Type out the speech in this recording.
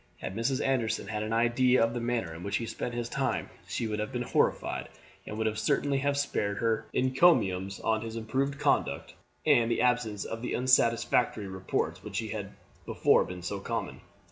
Had Mrs. Anderson had an idea of the manner in which he spent his time she would have been horrified, and would certainly have spared her encomiums on his improved conduct and the absence of the unsatisfactory reports which had before been so common.